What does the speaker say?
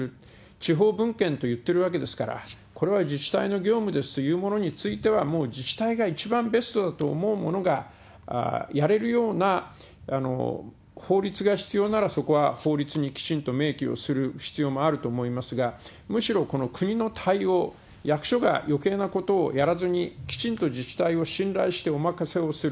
地方分権といってるわけですから、これは自治体の業務ですというものについては、もう自治体が一番ベストだと思うものがやれるような法律が必要なら、そこは法律にきちんと明記をする必要もあると思いますが、むしろこの国の対応、役所がよけいなことをやらずに、きちんと自治体を信頼をしてお任せをする。